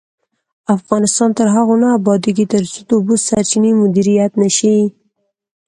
افغانستان تر هغو نه ابادیږي، ترڅو د اوبو سرچینې مدیریت نشي.